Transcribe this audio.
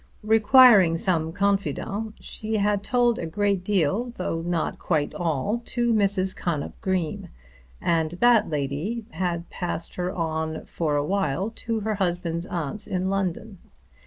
Requiring some confidant, she had told a great deal, though not quite all, to Mrs. Connop Green, and that lady had passed her on for a while to her husband's aunt in London.